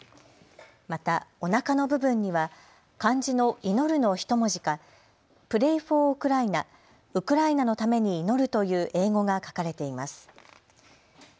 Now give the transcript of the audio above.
また、おなかの部分には漢字の祈のひと文字かＰＲＡＹｆｏｒＵＫＲＡＩＮＥ、ウクライナのために祈るという英語が書かれています。